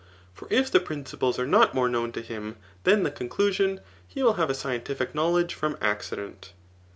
For if the principles are not more known to him than the conclusion, he will have a scientific knowledge from accident.